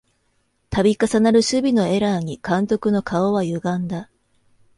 たび重なる守備のエラーに監督の顔はゆがんだ